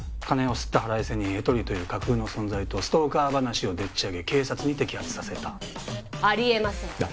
金をすった腹いせにエトリという架空の存在とストーカー話をでっち上げ警察に摘発させたありえません